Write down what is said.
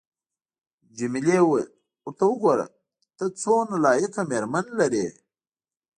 جميلې وويل:: ورته وګوره، ته څومره لایقه مېرمن لرې.